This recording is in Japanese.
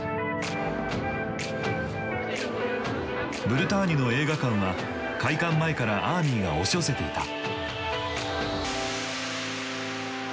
ブルターニュの映画館は開館前からアーミーが押し寄せていた。